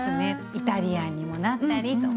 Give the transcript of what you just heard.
イタリアンにもなったりとか。